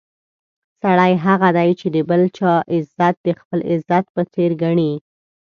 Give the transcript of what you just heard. سړی هغه دی چې د بل چا عزت د خپل عزت په څېر ګڼي.